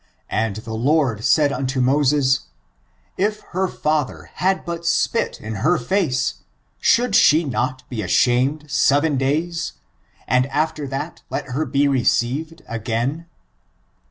And the Lord said unto Moses, if her father had but spit in her face, should sh^ not be ashamed seven days, and after that let her be re ceived again